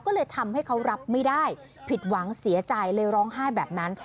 ก็เลยทำให้เขารับไม่ได้ผิดหวังเสียใจเลยร้องไห้แบบนั้น